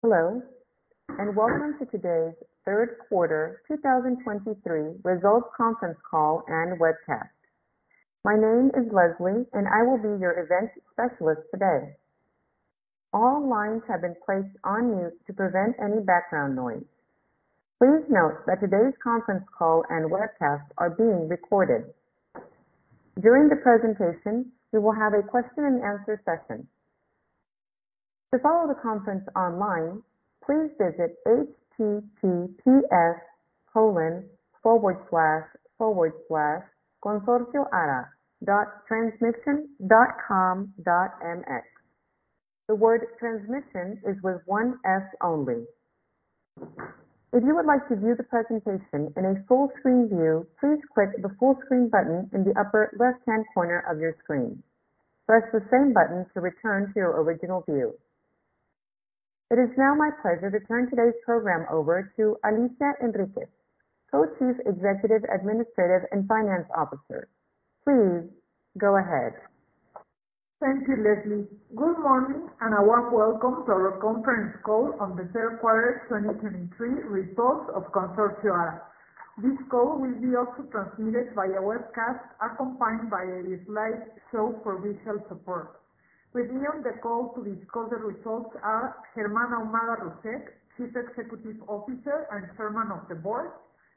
Hello, and welcome to today's third quarter 2023 results conference call and webcast. My name is Leslie, and I will be your event specialist today. All lines have been placed on mute to prevent any background noise. Please note that today's conference call and webcast are being recorded. During the presentation, we will have a question and answer session. To follow the conference online, please visit https://consorcioara.transmission.com.mx. The word transmission is with one S only. If you would like to view the presentation in a full screen view, please click the full screen button in the upper left-hand corner of your screen. Press the same button to return to your original view. It is now my pleasure to turn today's program over to Alicia Enriquez, Co-Chief Executive Administrative and Finance Officer. Please go ahead. Thank you, Leslie. Good morning, and a warm welcome to our conference call on the third quarter 2023 results of Consorcio Ara. This call will be also transmitted via webcast, accompanied by a slide show for visual support. Leading the call to discuss the results are Germán Ahumada Russek, Chief Executive Officer and Chairman of the Board,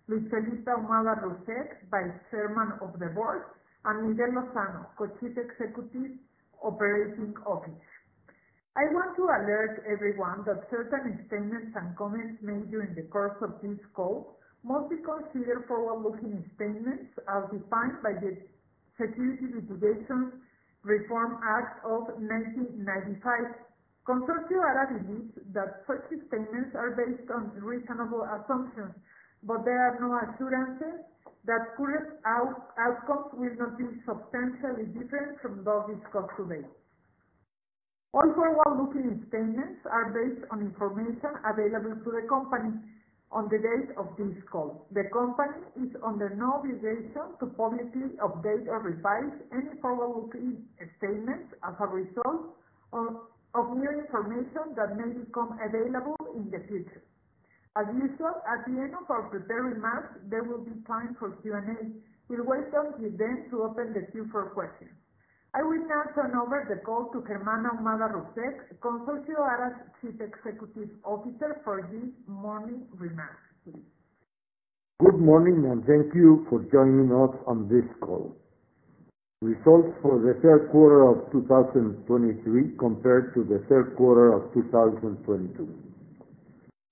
Luis Felipe Ahumada Russek, Vice Chairman of the Board, and Miguel Lozano, Co-Chief Executive Operating Officer. I want to alert everyone that certain statements and comments made during the course of this call must be considered forward-looking statements as defined by the Securities Litigation Reform Act of 1995. Consorcio Ara believes that such statements are based on reasonable assumptions, but there are no assurances that current outcomes will not be substantially different from those discussed today. All forward-looking statements are based on information available to the company on the date of this call. The company is under no obligation to publicly update or revise any forward-looking statements as a result of new information that may become available in the future. As usual, at the end of our prepared remarks, there will be time for Q&A. We welcome you then to open the queue for questions. I will now turn over the call to Germán Ahumada Russek, Consorcio Ara's Chief Executive Officer, for his morning remarks. Please. Good morning, and thank you for joining us on this call. Results for the third quarter of 2023 compared to the third quarter of 2022.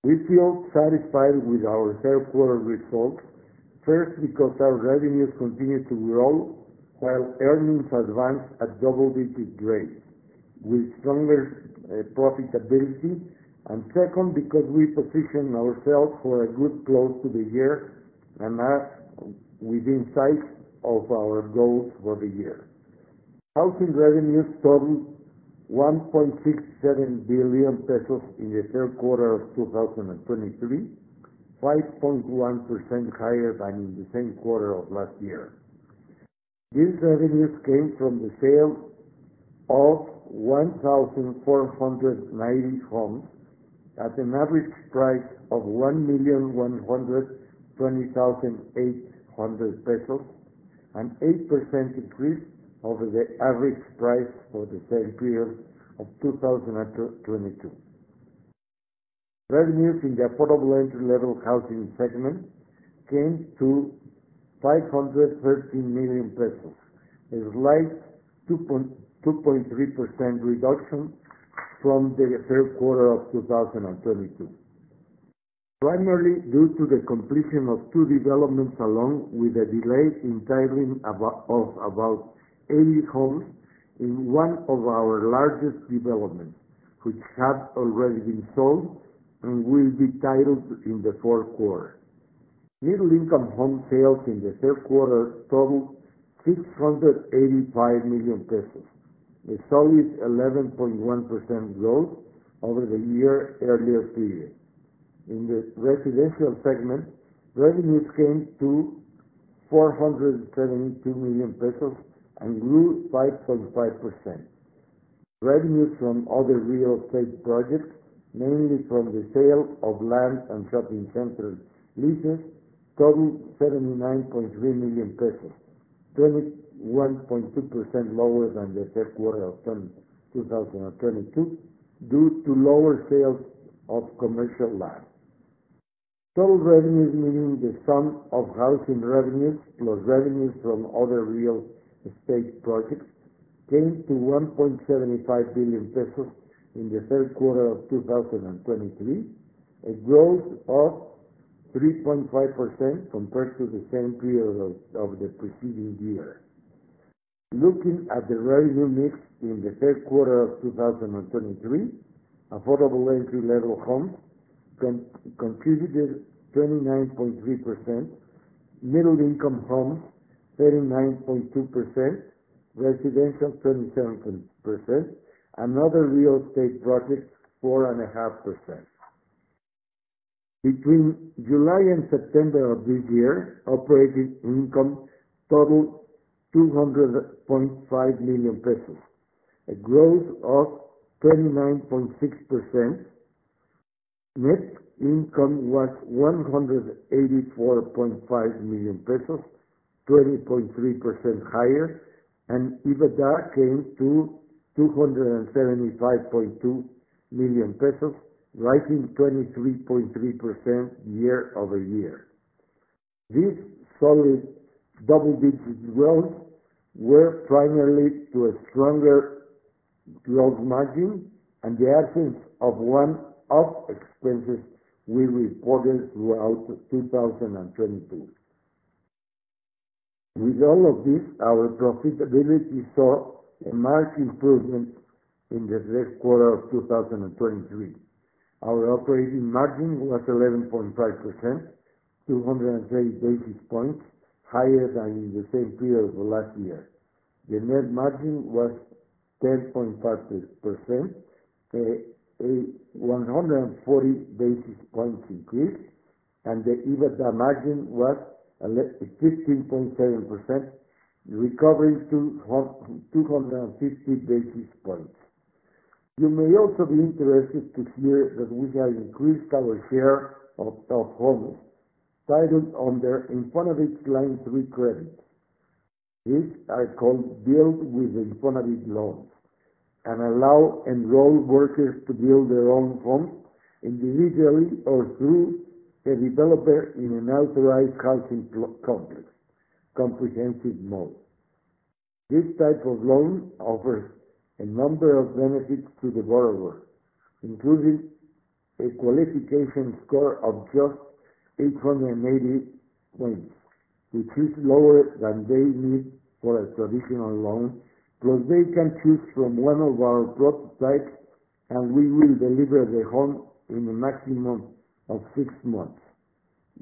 We feel satisfied with our third quarter results, first, because our revenues continued to grow while earnings advanced at double-digit rates with stronger profitability, and second, because we position ourselves for a good close to the year and are within sight of our goals for the year. Housing revenues totaled 1.67 billion pesos in the third quarter of 2023, 5.1% higher than in the same quarter of last year. These revenues came from the sale of 1,490 homes at an average price of 1,120,800 pesos, an 8% increase over the average price for the same period of 2022. Revenues in the affordable entry-level housing segment came to 513 million pesos, a slight 2.3% reduction from the third quarter of 2022, primarily due to the completion of two developments, along with a delay in titling of about 80 homes in one of our largest developments, which have already been sold and will be titled in the fourth quarter. Middle-income home sales in the third quarter totaled 685 million pesos, a solid 11.1% growth over the year earlier period. In the residential segment, revenues came to 472 million pesos and grew 5.5%. Revenues from other real estate projects, mainly from the sale of land and shopping center leases, totaled MXN 79.3 million, 21.2% lower than the third quarter of 2022, due to lower sales of commercial land. Total revenues, meaning the sum of housing revenues plus revenues from other real estate projects, came to 1.75 billion pesos in the third quarter of 2023, a growth of 3.5% compared to the same period of the preceding year. Looking at the revenue mix in the third quarter of 2023, affordable entry-level homes contributed 29.3%, middle-income homes 39.2%, residential 27%, and other real estate projects, 4.5%. Between July and September of this year, operating income totaled 200.5 million pesos, a growth of 29.6%. Net income was 184.5 million pesos, 20.3% higher, and EBITDA came to 275.2 million pesos, rising 23.3% year-over-year. These solid double-digit growth were primarily to a stronger gross margin and the absence of one-off expenses we reported throughout 2022. With all of this, our profitability saw a marked improvement in the third quarter of 2023. Our operating margin was 11.5%, 206 basis points higher than in the same period of last year. The net margin was 10.5%, a 140 basis points increase, and the EBITDA margin was 15.7%, recovering 250 basis points. You may also be interested to hear that we have increased our share of homes titled under INFONAVIT Line Three credit. These are called Build with INFONAVIT loans and allow enrolled workers to build their own home individually or through a developer in an authorized housing complex, comprehensive mode. This type of loan offers a number of benefits to the borrower, including a qualification score of just 880 points, which is lower than they need for a traditional loan, plus they can choose from one of our plot types, and we will deliver the home in a maximum of six months.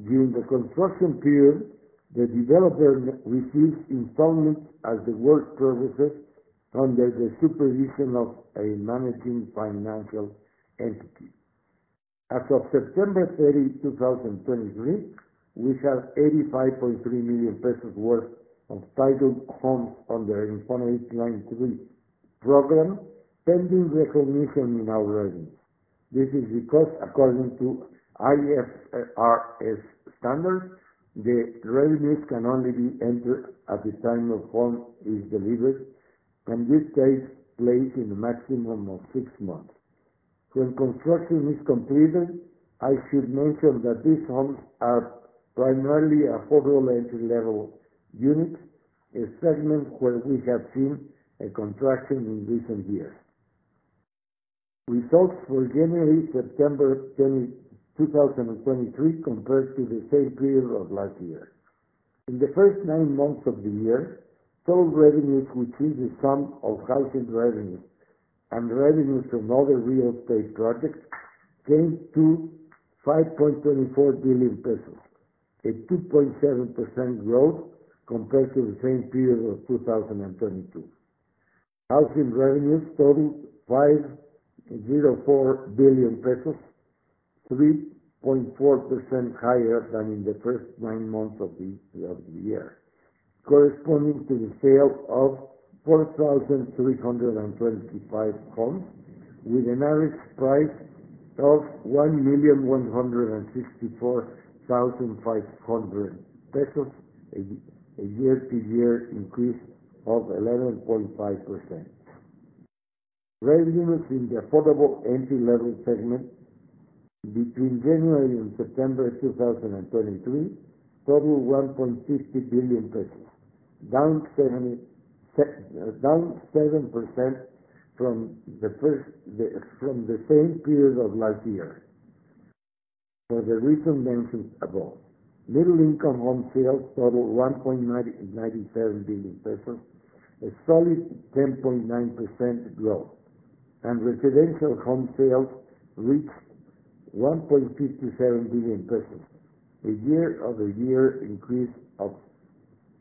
During the construction period, the developer receives installments as the work progresses under the supervision of a managing financial entity. As of September 30, 2023, we have 85.3 million pesos worth of titled homes under INFONAVIT Line Three program, pending recognition in our revenues. This is because, according to IFRS standards, the revenues can only be entered at the time a home is delivered, and this takes place in a maximum of six months. When construction is completed, I should mention that these homes are primarily affordable entry-level units, a segment where we have seen a contraction in recent years. Results for January, September, 2023, compared to the same period of last year. In the first nine months of the year, total revenues, which is the sum of housing revenues and revenues from other real estate projects, came to 5.24 billion pesos, a 2.7% growth compared to the same period of 2022. Housing revenues totaled 5.04 billion pesos, 3.4% higher than in the first nine months of the year, corresponding to the sale of 4,325 homes, with an average price of MXN 1,164,500, a year-to-year increase of 11.5%. Revenues in the affordable entry-level segment between January and September 2023 totaled MXN 1.50 billion, down 7% from the same period of last year, for the reasons mentioned above. Middle-income home sales totaled 1.97 billion pesos, a solid 10.9% growth. Residential home sales reached 1.57 billion, a year-over-year increase of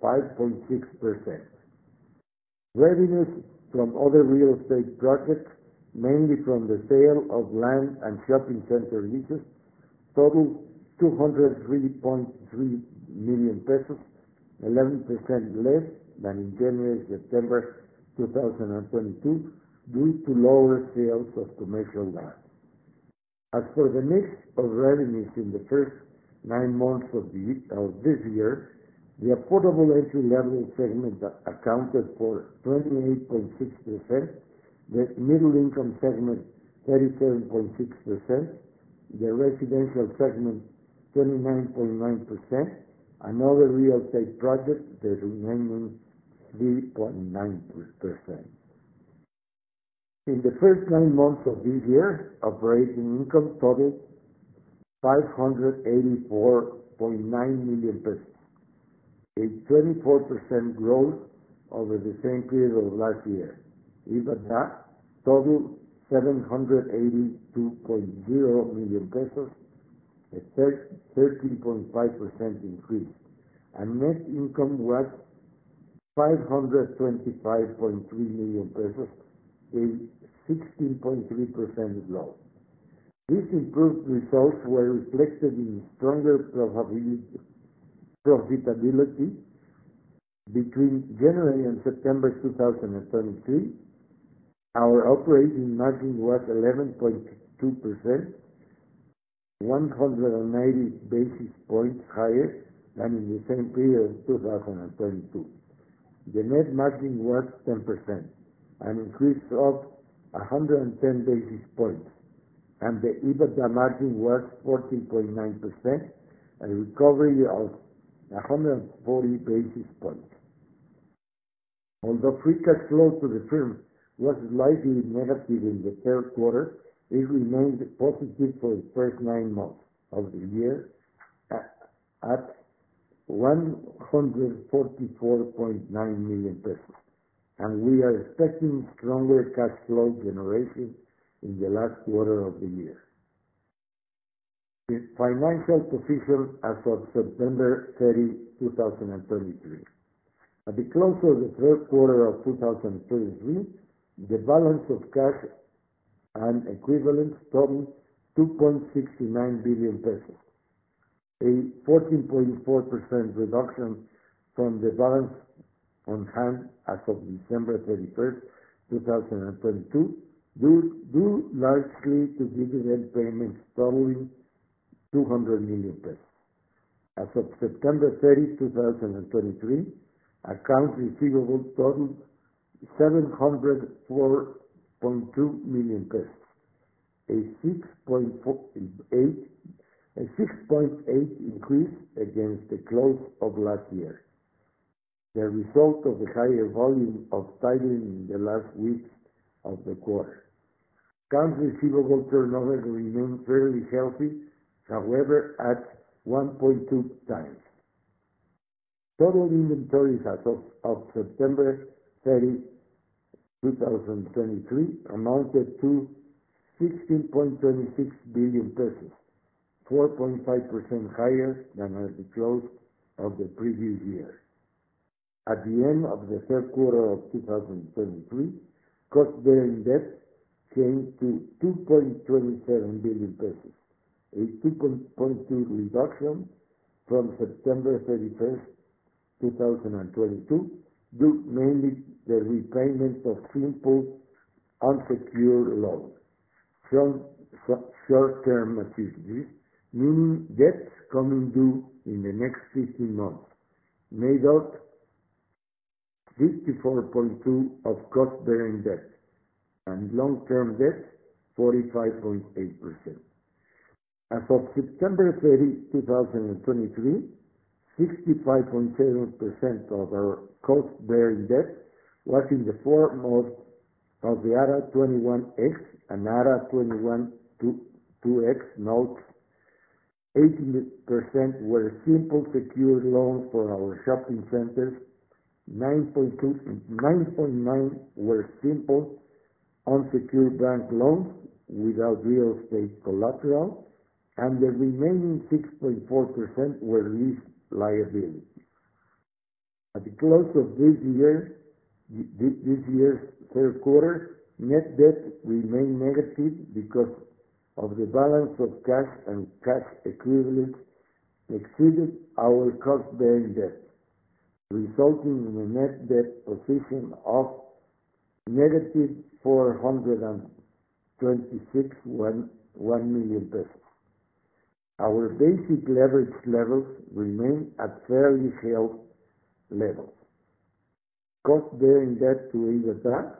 5.6%. Revenues from other real estate projects, mainly from the sale of land and shopping center leases, totaled 203.3 million pesos, 11% less than in January to September 2022, due to lower sales of commercial land. As for the mix of revenues in the first nine months of this year, the affordable entry-level segment accounted for 28.6%, the middle-income segment, 37.6%, the residential segment, 29.9%, and other real estate projects, the remaining 3.9%. In the first nine months of this year, operating income totaled 584.9 million pesos, a 24% growth over the same period of last year. EBITDA totaled 782.0 million pesos, a 13.5% increase, and net income was 525.3 million pesos, a 16.3% low. These improved results were reflected in stronger profitability between January and September 2023. Our operating margin was 11.2%, 190 basis points higher than in the same period of 2022. The net margin was 10%, an increase of 110 basis points, and the EBITDA margin was 14.9%, a recovery of 140 basis points. Although free cash flow to the firm was slightly negative in the third quarter, it remained positive for the first nine months of the year at 144.9 million pesos, and we are expecting stronger cash flow generation in the last quarter of the year. The financial position as of September 30, 2023. At the close of the third quarter of 2023, the balance of cash and equivalents totaled 2.69 billion pesos, a 14.4% reduction from the balance on hand as of December 31, 2022, due largely to dividend payments totaling 200 million pesos. As of September 30, 2023, accounts receivable totaled MXN 704.2 million, a 6.8% increase against the close of last year. The result of the higher volume of titling in the last weeks of the quarter. Accounts receivable turnover remained fairly healthy, however, at 1.2x. Total inventories as of September 30, 2023, amounted to 16.26 billion pesos, 4.5% higher than at the close of the previous year. At the end of the third quarter of 2023, interest-bearing debt came to 2.27 billion pesos, a 2.2% reduction from September 31, 2022, due mainly to the repayment of simple unsecured loans from short-term maturities, meaning debts coming due in the next fifteen months, made up 54.2% of interest-bearing debt, and long-term debt, 45.8%. As of September 30, 2023, 65.7% of our interest-bearing debt was in the form of the ARA 21-X and ARA 21-2X notes. 18% were simple secured loans for our shopping centers, 9.9% were simple unsecured bank loans without real estate collateral, and the remaining 6.4% were lease liabilities. At the close of this year, this year's third quarter, net debt remained negative because the balance of cash and cash equivalents exceeded our cost-bearing debt, resulting in a net debt position of negative 426.1 million pesos. Our basic leverage levels remain at fairly healthy levels. Cost-bearing debt to EBITDA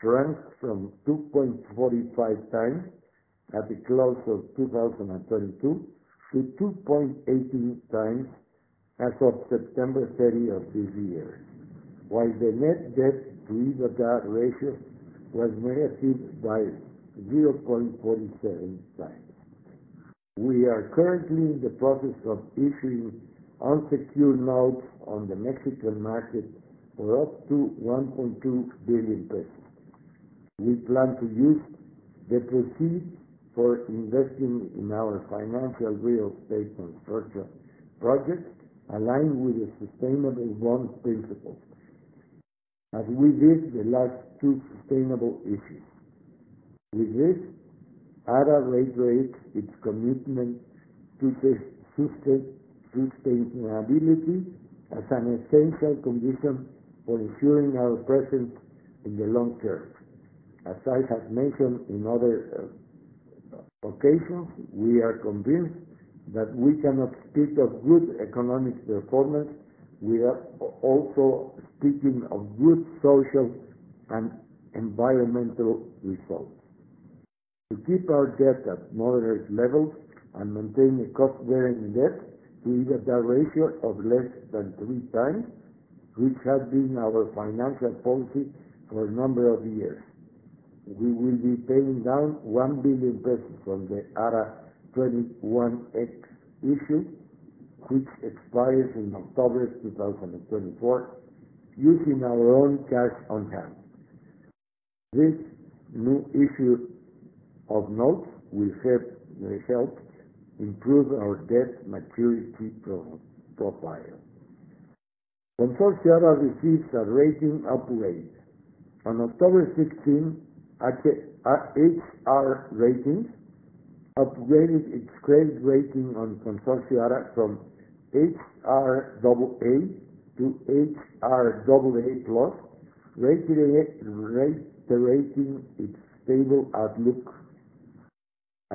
shrank from 2.45x at the close of 2022, to 2.18x as of September 30 of this year, while the net debt to EBITDA ratio was negative by 0.47x. We are currently in the process of issuing unsecured notes on the Mexican market for up to 1.2 billion pesos. We plan to use the proceeds for investing in our financial real estate and structure projects aligned with the sustainable bonds principles, as we did the last two sustainable issues. With this, ARA reiterates its commitment to sustainability as an essential condition for ensuring our presence in the long term. As I have mentioned in other occasions, we are convinced that we cannot speak of good economic performance. We are also speaking of good social and environmental results. To keep our debt at moderate levels and maintain an interest-bearing debt to EBITDA ratio of less than three times, which has been our financial policy for a number of years, we will be paying down 1 billion pesos from the ARA 21-X issue, which expires in October 2024, using our own cash on hand. This new issue of notes will help improve our debt maturity profile. Consorcio Ara receives a rating upgrade. On October 16, HR Ratings upgraded its credit rating on Consorcio Ara from HR double A to HR double A plus, reiterating its stable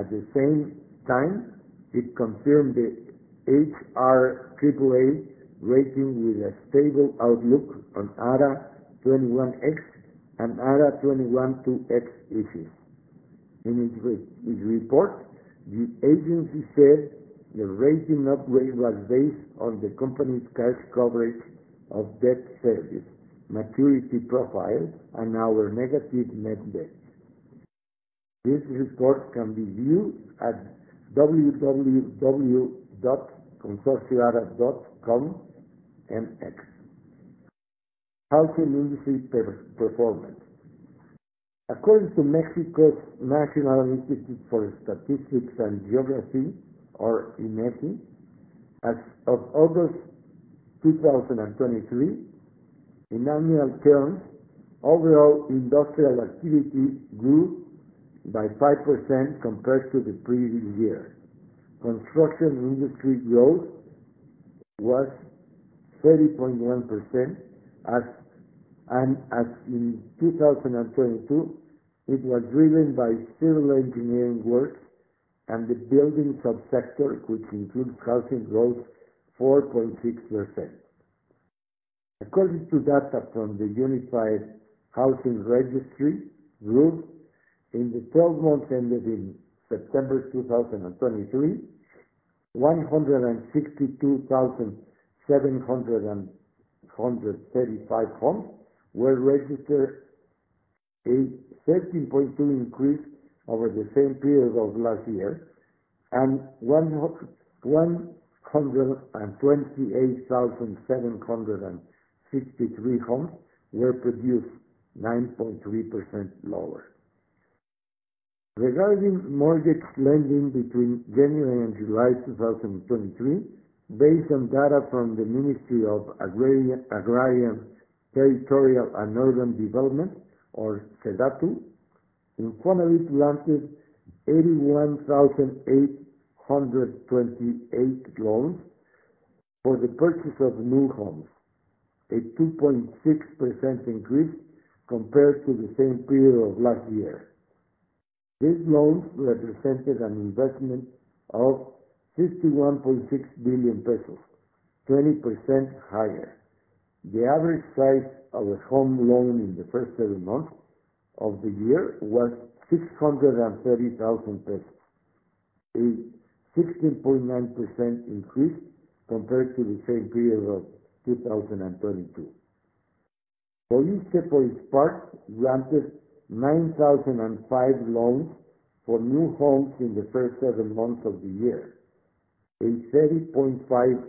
outlook. At the same time, it confirmed the HR triple A rating with a stable outlook on ARA 21-X and ARA 21-2X issues. In its report, the agency said the rating upgrade was based on the company's cash coverage of debt service, maturity profile, and our negative net debt. This report can be viewed at www.consorcioara.com.mx. Housing industry performance. According to Mexico's National Institute for Statistics and Geography, or INEGI, as of August 2023, in annual terms, overall industrial activity grew by 5% compared to the previous year. Construction industry growth was 30.1%, and as in 2022, it was driven by civil engineering works and the building subsector, which includes housing growth, 4.6%. According to data from the Unified Housing Registry Group, in the twelve months ended in September 2023, 162,735 homes were registered, a 13.2% increase over the same period of last year, and 128,763 homes were produced, 9.3% lower. Regarding mortgage lending between January and July 2023, based on data from the Ministry of Agrarian, Territorial, and Urban Development, or SEDATU, INFONAVIT granted 81,828 loans for the purchase of new homes, a 2.6% increase compared to the same period of last year. These loans represented an investment of 61.6 billion pesos, 20% higher. The average size of a home loan in the first seven months of the year was 630,000 pesos, a 16.9% increase compared to the same period of 2022. FOVISSSTE, for its part, granted 9,005 loans for new homes in the first seven months of the year, a 30.5...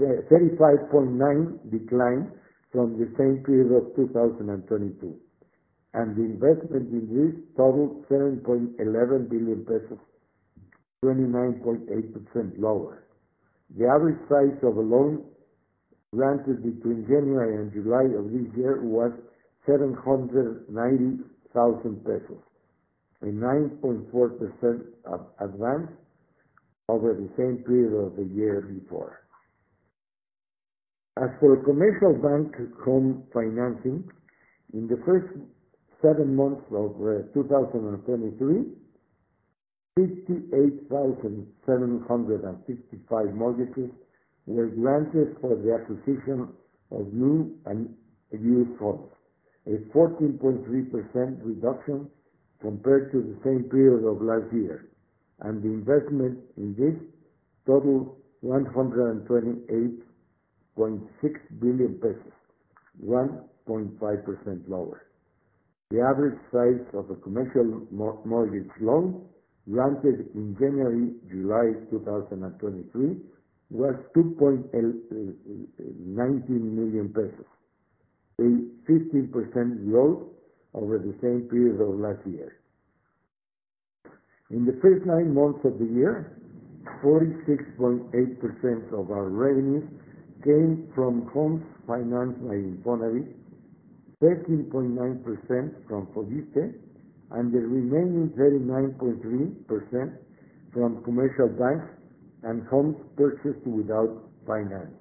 35.9% decline from the same period of 2022, and the investment in this totaled 7.11 billion pesos, 29.8% lower. The average price of a loan granted between January and July of this year was 790,000 pesos, a 9.4% advance over the same period of the year before. As for commercial bank home financing, in the first seven months of 2023, 58,755 mortgages were granted for the acquisition of new and used homes, a 14.3% reduction compared to the same period of last year, and the investment in this totaled MXN 128.6 billion, 1.5% lower. The average size of a commercial mortgage loan granted in January-July 2023 was 2.11 million pesos, a 15% growth over the same period of last year. In the first nine months of the year, 46.8% of our revenues came from homes financed by INFONAVIT, 13.9% from FOVISSSTE, and the remaining 39.3% from commercial banks and homes purchased without financing.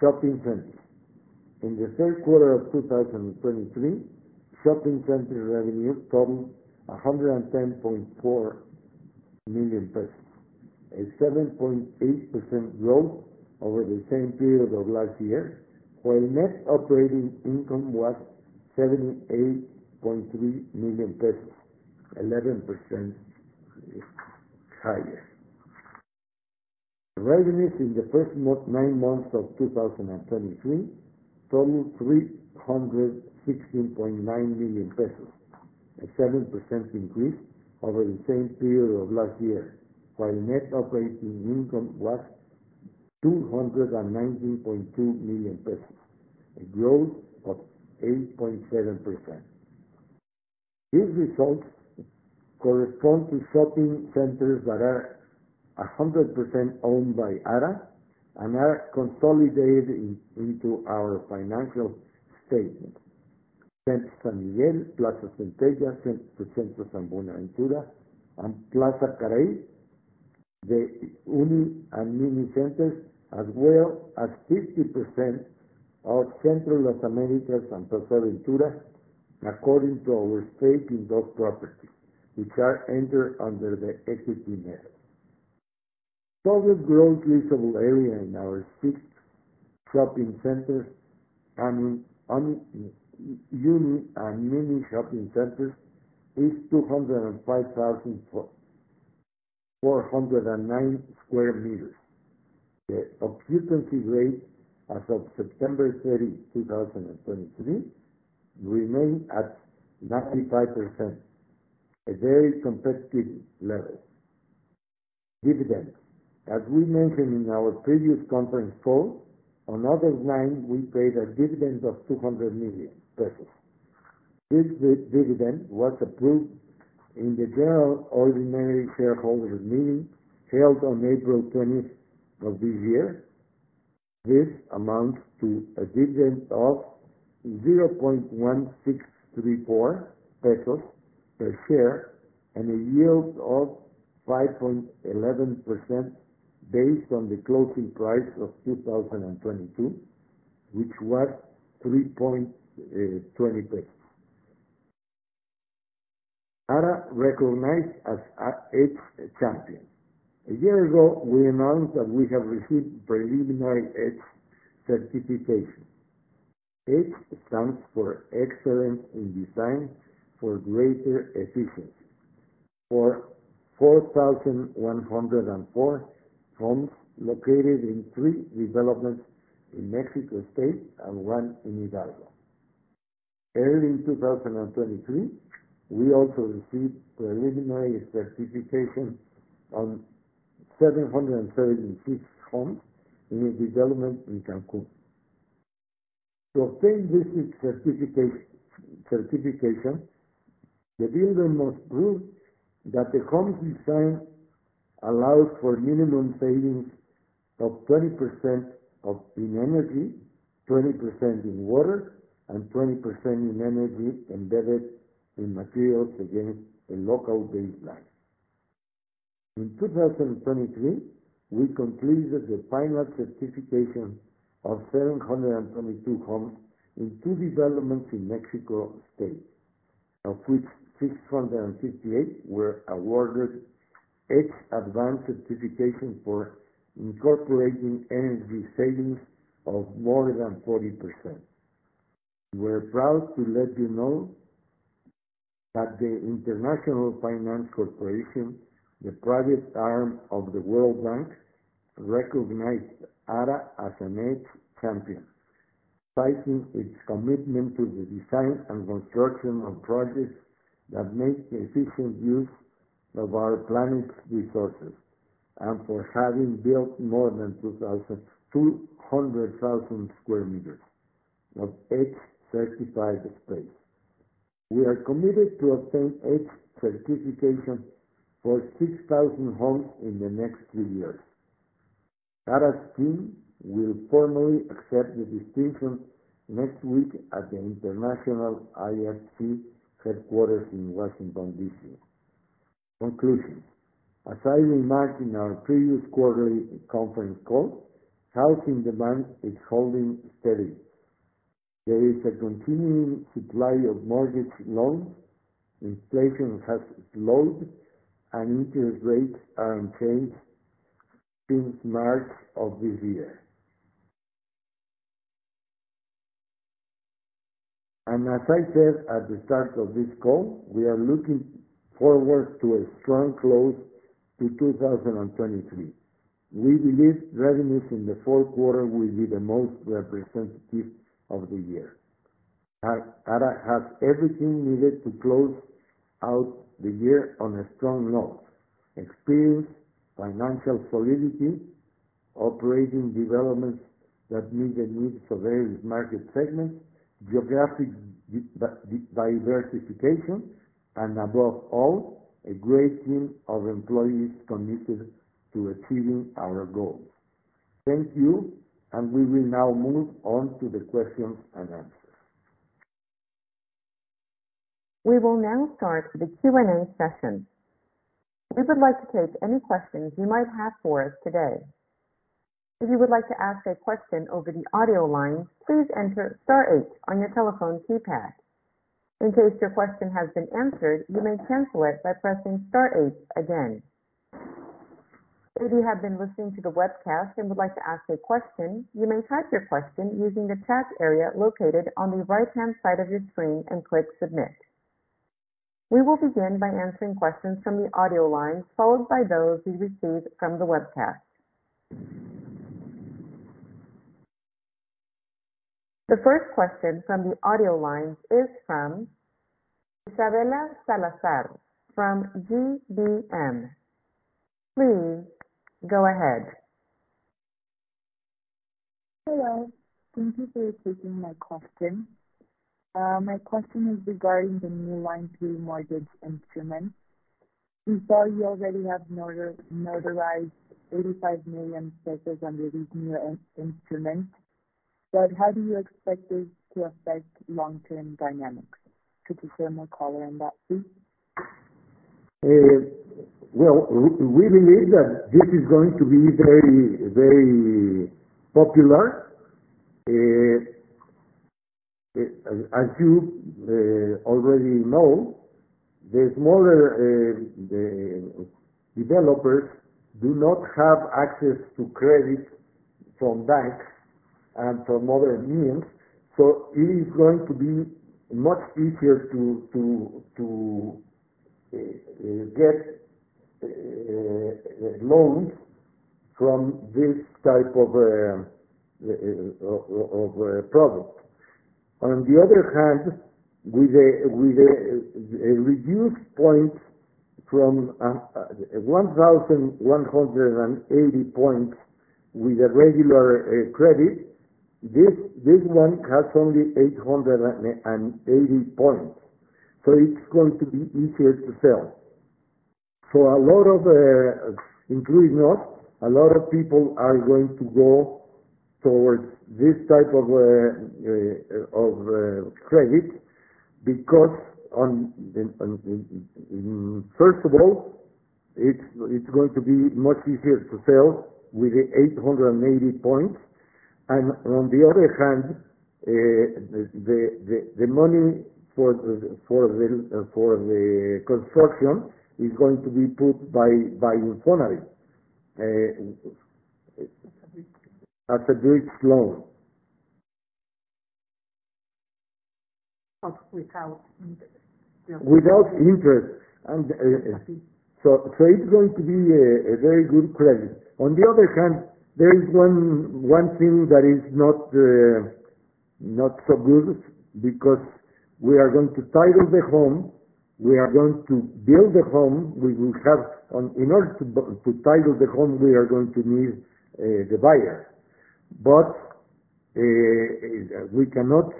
Shopping centers. In the third quarter of 2023, shopping center revenue totaled 110.4 million pesos, a 7.8% growth over the same period of last year, while net operating income was 78.3 million pesos, 11% higher. Revenues in the first nine months of 2023 totaled 316.9 million pesos, a 7% increase over the same period of last year, while net operating income was 290.2 million pesos, a growth of 8.7%. These results correspond to shopping centers that are 100% owned by Ara and are consolidated in, into our financial statements. Centro San Miguel, Plaza Centeia, Centro San Buenaventura, and Plaza Caraí, the uni and mini centers, as well as 50% of Centro Las Américas and Plaza Ventura, according to our stake in those properties, which are entered under the equity method. Total gross leasable area in our six shopping centers and [inauduble] and mini shopping centers is 205,409 square meters. The occupancy rate as of September 30, 2023, remained at 95%, a very competitive level. Dividends. As we mentioned in our previous conference call, on August 9, we paid a dividend of 200 million pesos. This dividend was approved in the general ordinary shareholders meeting, held on April 20 of this year. This amounts to a dividend of 0.1634 pesos per share and a yield of 5.11% based on the closing price of 2022, which was 3.20 MXN. Ara recognized as an EDGE champion. A year ago, we announced that we have received preliminary EDGE certification. EDGE stands for Excellence in Design for Greater Efficiency. For 4,104 homes located in three developments in Mexico State and one in Hidalgo. Early in 2023, we also received preliminary certification on 736 homes in a development in Cancún. To obtain this certification, the builder must prove that the home design allows for minimum savings of 20% in energy, 20% in water, and 20% in energy embedded in materials against a local baseline. In 2023, we completed the final certification of 722 homes in two developments in Mexico State, of which 658 were awarded EDGE Advanced Certification for incorporating energy savings of more than 40%. We're proud to let you know that the International Finance Corporation, the private arm of the World Bank, recognized Ara as an EDGE champion, citing its commitment to the design and construction of projects that make efficient use of our planet's resources, and for having built more than 2,200,000 square meters of EDGE-certified space. We are committed to obtain EDGE certification for 6,000 homes in the next two years. Ara's team will formally accept the distinction next week at the international IFC headquarters in Washington, D.C. Conclusion. As I remarked in our previous quarterly conference call, housing demand is holding steady. There is a continuing supply of mortgage loans, inflation has slowed, and interest rates are unchanged since March of this year. As I said at the start of this call, we are looking forward to a strong close to 2023. We believe revenues in the fourth quarter will be the most representative of the year. Ara has everything needed to close out the year on a strong note: experience, financial solidity, operating developments that meet the needs of various market segments, geographic diversification, and above all, a great team of employees committed to achieving our goals. Thank you, and we will now move on to the questions and answers. We will now start the Q&A session. We would like to take any questions you might have for us today. If you would like to ask a question over the audio line, please enter star eight on your telephone keypad. In case your question has been answered, you may cancel it by pressing star eight again. If you have been listening to the webcast and would like to ask a question, you may type your question using the chat area located on the right-hand side of your screen and click Submit. We will begin by answering questions from the audio line, followed by those we received from the webcast. The first question from the audio lines is from Isabela Salazar from GBM. Please go ahead. Hello. Thank you for taking my question. My question is regarding the new line pay mortgage instrument. We saw you already have mortgaged 85 million pesos under this new instrument, but how do you expect this to affect long-term dynamics? Could you share more color on that, please? Well, we believe that this is going to be very, very popular. As you already know, the smaller developers do not have access to credit from banks and from other means, so it is going to be much easier to get loans from this type of product. On the other hand, with a reduced points from 1,180 points with a regular credit, this one has only 880 points, so it's going to be easier to sell. So a lot of, including us, a lot of people are going to go towards this type of credit, because on, on...First of all, it's going to be much easier to sell with the 880 points. On the other hand, the money for the construction is going to be put by INFONAVIT. As a bridge loan. As a bridge loan. But without interest. Without interest, and so it's going to be a very good credit. On the other hand, there is one thing that is not so good, because we are going to title the home, we are going to build the home, we will have... In order to title the home, we are going to need the buyer. But we cannot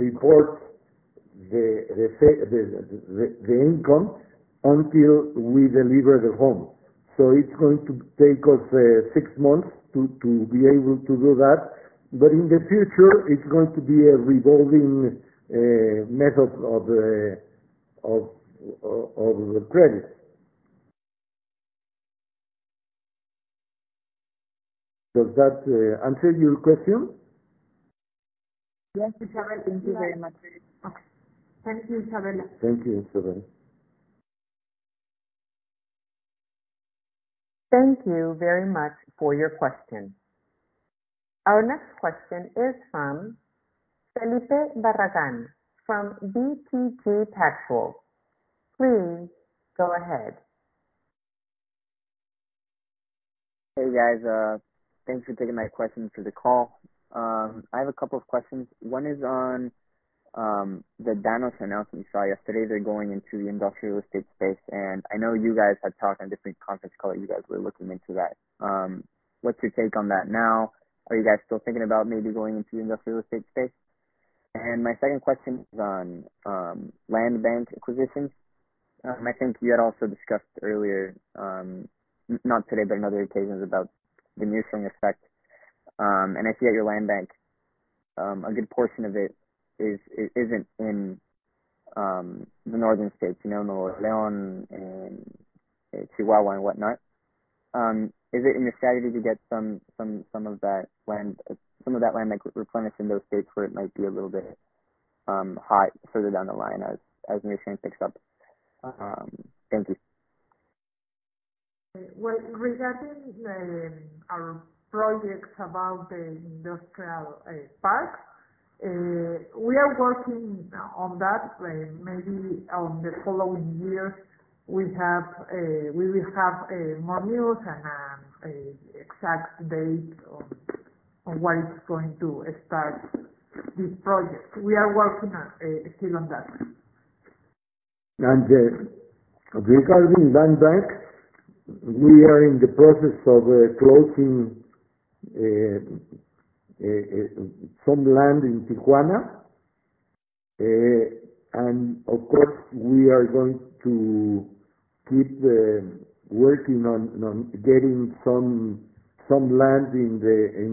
report the income until we deliver the home. So it's going to take us six months to be able to do that. But in the future, it's going to be a revolving method of credit. Does that answer your question? Yes, it does. Thank you very much. Thank you, Isabella. Thank you, Isabella. Thank you very much for your question. Our next question is from Felipe Barragán, from BTG Pactual. Please go ahead. Hey, guys, thanks for taking my question for the call. I have a couple of questions. One is on the Danhos announcement we saw yesterday. They're going into the industrial real estate space, and I know you guys have talked on different conference calls, you guys were looking into that. What's your take on that now? Are you guys still thinking about maybe going into industrial real estate space? And my second question is on land bank acquisitions. I think you had also discussed earlier, not today, but in other occasions, about the near-term effect. And I see that your land bank, a good portion of it is, isn't in the northern states, you know, Nuevo León and Chihuahua and whatnot. Is it in the strategy to get some of that land bank replenished in those states where it might be a little bit hot further down the line as mission picks up? Thank you. Well, regarding our projects about the industrial park, we are working on that. Maybe on the following years, we will have more news and a exact date of on when it's going to start this project. We are working on still on that. Regarding land bank, we are in the process of closing some land in Tijuana. And of course, we are going to keep working on getting some land in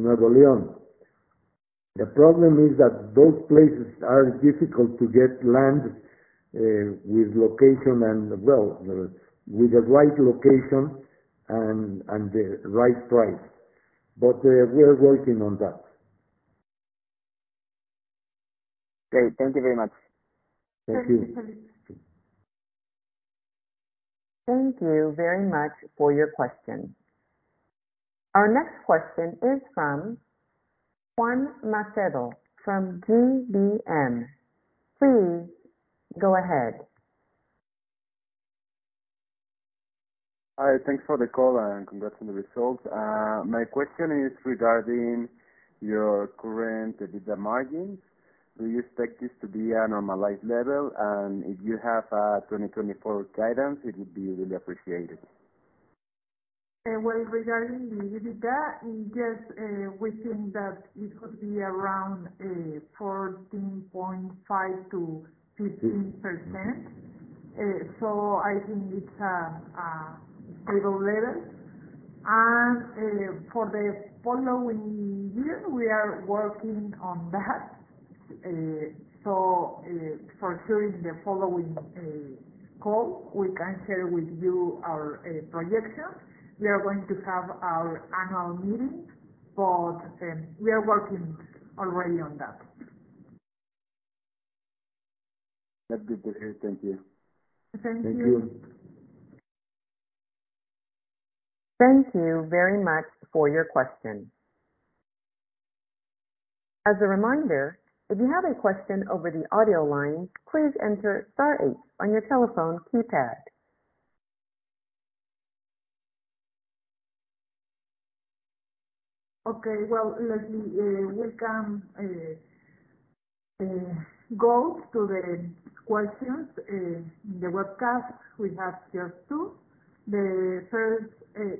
Nuevo León. The problem is that those places are difficult to get land with location and well with the right location and the right price. But we are working on that. Great. Thank you very much. Thank you. Thank you. Thank you very much for your question. Our next question is from Juan Macedo, from GBM. Please go ahead. Hi, thanks for the call, and congrats on the results. My question is regarding your current EBITDA margins. Do you expect this to be a normalized level? And if you have a 2024 guidance, it would be really appreciated. Well, regarding the EBITDA, yes, we think that it could be around 14.5%-15%. So I think it's stable level. And for the following year, we are working on that. So for sure, in the following call, we can share with you our projections. We are going to have our annual meeting, but we are working already on that. That's good to hear. Thank you. Thank you. Thank you. Thank you very much for your question. As a reminder, if you have a question over the audio line, please enter star eight on your telephone keypad. Okay. Well, let me, we can, go to the questions in the webcast. We have just two. The first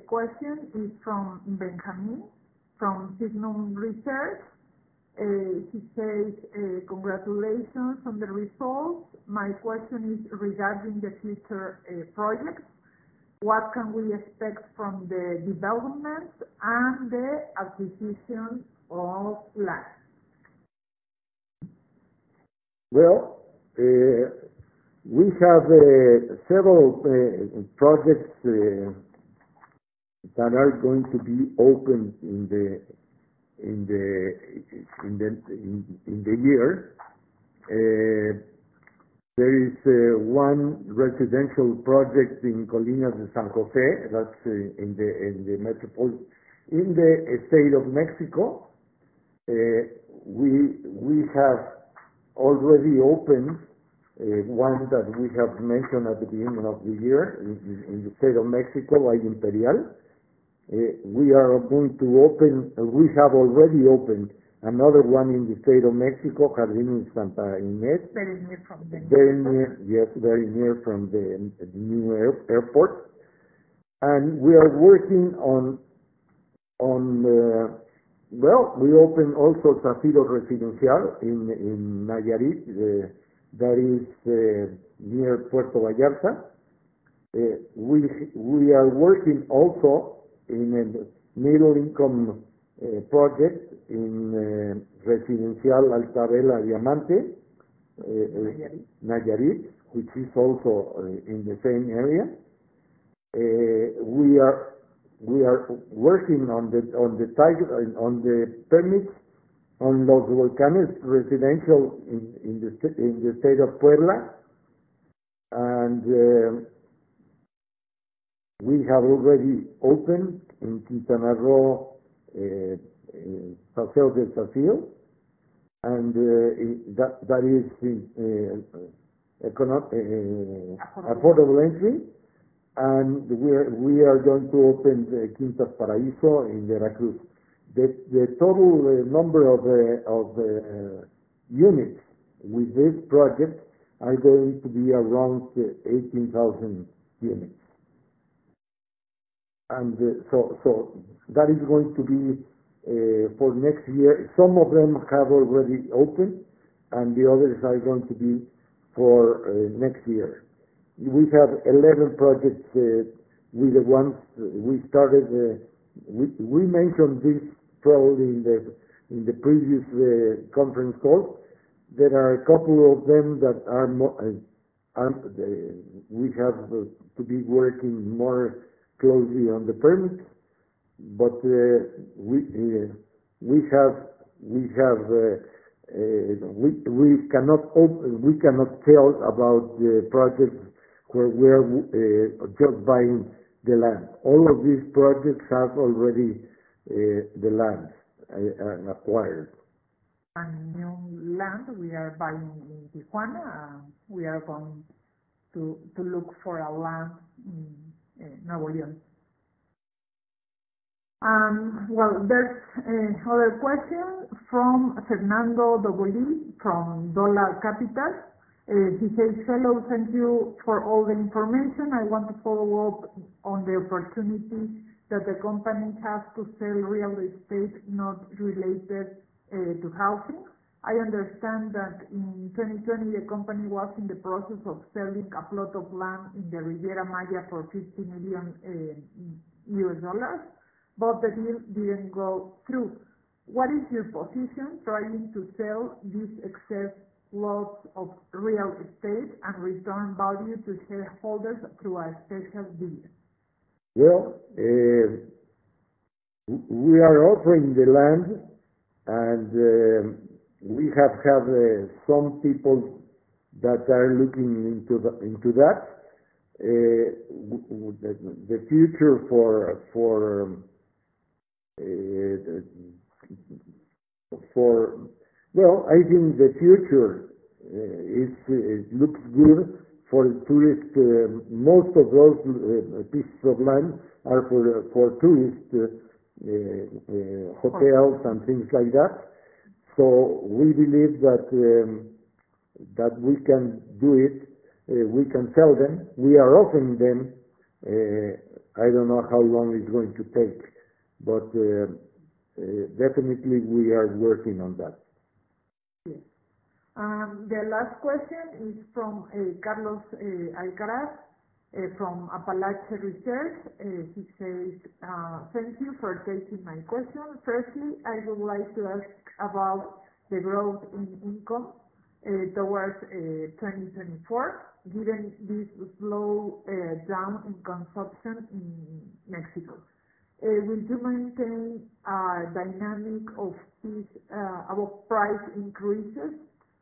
question is from Benjamin from Signum Research. He says, "Congratulations on the results. My question is regarding the future projects. What can we expect from the developments and the acquisitions of land? Well, we have several projects that are going to be opened in the year. There is one residential project in Colinas de San José, that's in the state of Mexico. We have already opened one that we have mentioned at the beginning of the year, in the state of Mexico, Real Imperial. We are going to open-- We have already opened another one in the state of Mexico, Jardines Santa Inés. Very near from the new one. Very near, yes, very near from the new airport. And we are working on. Well, we opened also Safiros Residencial in Nayarit. That is near Puerto Vallarta. We are working also in a middle-income project in Residencial Altavela Diamante. Nayarit. Nayarit, which is also in the same area. We are working on the title, on the permits, on Los Volcanes Residential in the state of Puebla. And we have already opened in Quintana Roo, Paseo del Zafiro, and that is the affordable entry. And we are going to open the Quintas Paraíso in Veracruz. The total number of units with this project are going to be around 18,000 units. And so that is going to be for next year. Some of them have already opened, and the others are going to be for next year. We have 11 projects, with the ones we started, we mentioned this probably in the previous conference call. There are a couple of them that are more, we have to be working more closely on the permits, but we have, we have, we cannot open, we cannot tell about the projects where we are just buying the land. All of these projects have already the lands acquired. New land we are buying in Tijuana, and we are going to look for land in Nuevo León. Well, there's another question from Fernando Dobele, from Dola Capital. He says, "Hello, thank you for all the information. I want to follow up on the opportunity that the company has to sell real estate not related to housing. I understand that in 2020, the company was in the process of selling a plot of land in the Riviera Maya for $50 million, but the deal didn't go through. What is your position trying to sell these excess plots of real estate and return value to shareholders through a special deal? Well, we are offering the land, and we have had some people that are looking into the, into that. The future for... well, I think the future is, it looks good for tourist, most of those piece of land are for tourists, hotels and things like that. So we believe that that we can do it, we can sell them. We are offering them, I don't know how long it's going to take, but definitely we are working on that. Yes. The last question is from Carlos Alcaraz from Apalache Research. He says: Thank you for taking my question. Firstly, I would like to ask about the growth in income towards 2024, given this slowdown in consumption in Mexico. Will you maintain a dynamic of this about price increases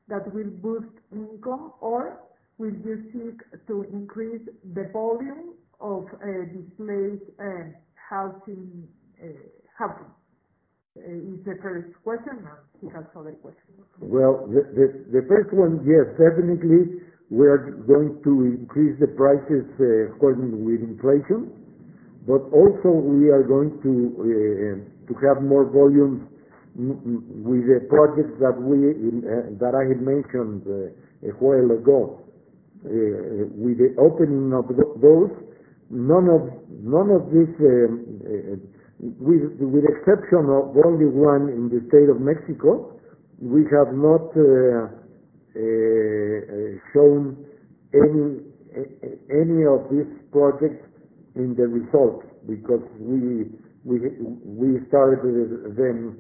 that will boost income, or will you seek to increase the volume of displaced housing? It's the first question, and he has other questions. Well, the first one, yes, definitely we are going to increase the prices, according with inflation. But also we are going to have more volume with the projects that we that I had mentioned a while ago. With the opening of those, none of these, with exception of only one in the State of Mexico, we have not shown any of these projects in the results. Because we started them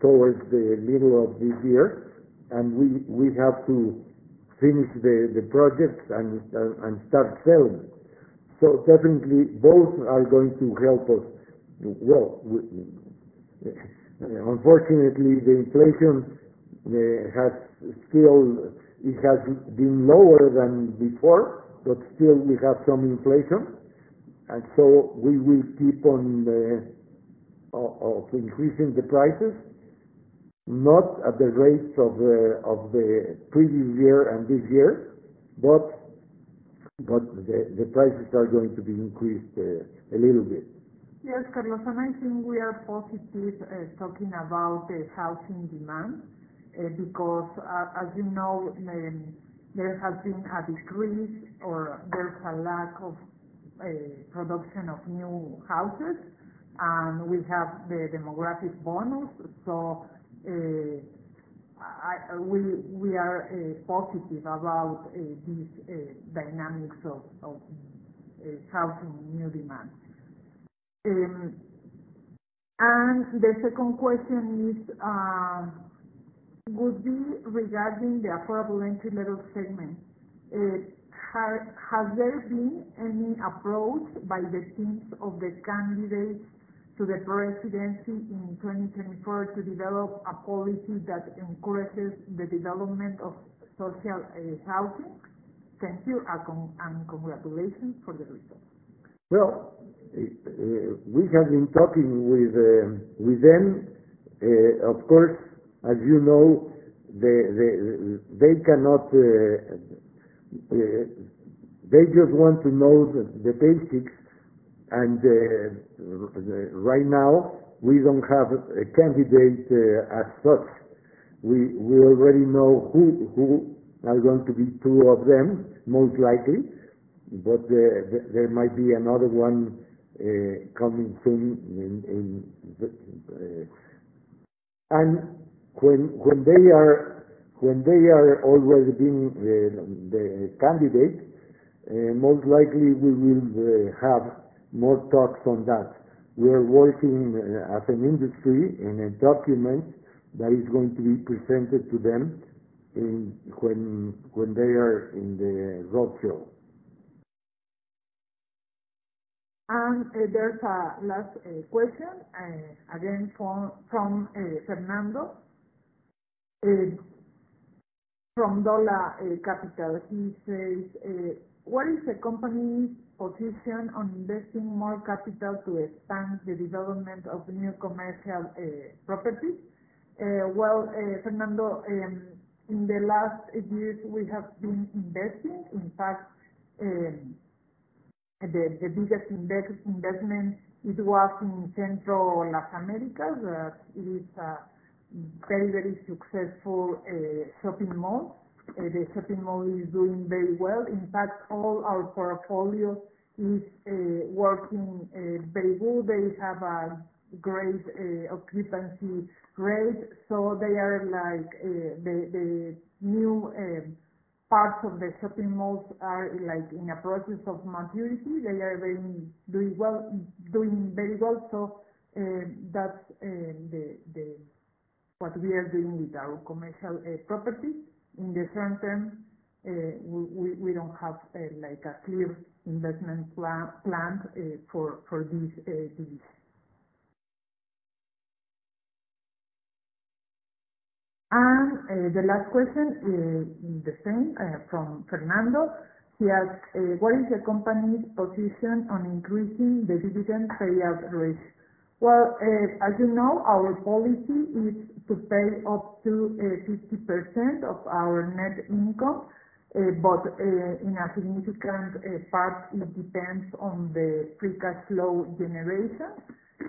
towards the middle of this year, and we have to finish the projects and start selling. So definitely both are going to help us. Well, unfortunately, the inflation has still... It has been lower than before, but still we have some inflation. We will keep on increasing the prices, not at the rates of the previous year and this year, but the prices are going to be increased a little bit. Yes, Carlos, and I think we are positive talking about the housing demand, because as you know, there has been a decrease or there is a lack of production of new houses, and we have the demographic bonus. So, we are positive about this dynamics of housing new demand. And the second question is, would be regarding the affordable entry-level segment. Has there been any approach by the teams of the candidates to the presidency in 2024 to develop a policy that encourages the development of social housing? Thank you, and congratulations for the results. Well, we have been talking with them. Of course, as you know, they cannot... They just want to know the basics, and right now, we don't have a candidate as such. We already know who are going to be two of them, most likely, but there might be another one coming soon in... And when they are already being the candidate, most likely we will have more talks on that. We are working as an industry in a document that is going to be presented to them in when they are in the roadshow. There's a last question again from Fernando from Dola Capital. He says: What is the company's position on investing more capital to expand the development of new commercial properties? Well, Fernando, in the last years, we have been investing. In fact, the biggest investment it was in Centro Las Américas, where it is a very, very successful shopping mall. The shopping mall is doing very well. In fact, all our portfolio is working very well. They have a great occupancy rate, so they are like the new parts of the shopping malls are like in a process of maturity. They are very doing well, doing very well. So that's what we are doing with our commercial property. In the short term, we don't have like a clear investment plan for this division. The last question is the same from Fernando. He asks: What is the company's position on increasing the dividend payout ratio? Well, as you know, our policy is to pay up to 50% of our net income, but in a significant part, it depends on the free cash flow generation.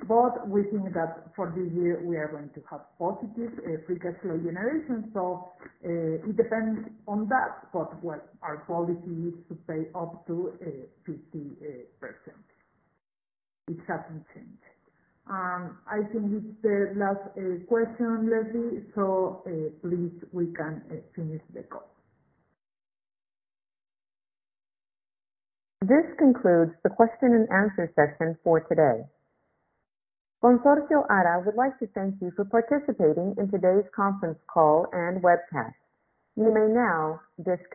But we think that for this year we are going to have positive free cash flow generation, so it depends on that, but well, our policy is to pay up to 50%. It hasn't changed. I think it's the last question, Leslie, so please we can finish the call. This concludes the question and answer session for today. Consorcio Ara would like to thank you for participating in today's conference call and webcast. You may now disconnect.